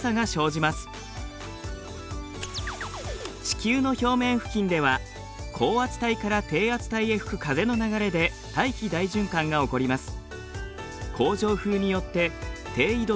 地球の表面付近では高圧帯から低圧帯へ吹く風の流れで大気大循環が起こります。